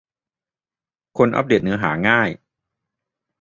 คนอัปเดตเนื้อหาง่าย ?